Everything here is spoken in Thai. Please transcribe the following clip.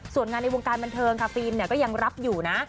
ส่วนงานในวงการบันเทิงค่ะฟิล์มก็ยังรับอยู่นะ